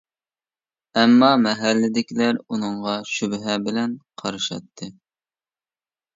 ئەمما، مەھەللىدىكىلەر ئۇنىڭغا شۈبھە بىلەن قارىشاتتى.